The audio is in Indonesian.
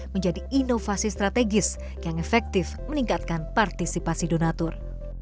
menjadi inovasi strategis yang efektif meningkatkan partisipasi donatur